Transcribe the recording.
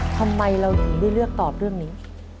ทำไมเราถึงได้เลือกตอบเรื่องนี้